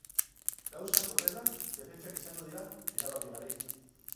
Gauzak horrela, defentsak izango dira erabakigarri.